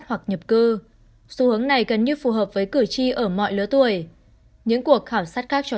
hoặc nhập cư xu hướng này gần như phù hợp với cử tri ở mọi lứa tuổi những cuộc khảo sát khác cho